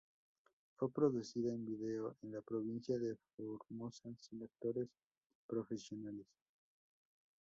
Fue producida en video en la provincia de Formosa sin actores profesionales.